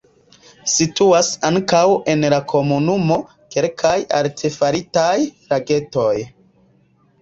Situas ankaŭ en la komunumo kelkaj artefaritaj lagetoj.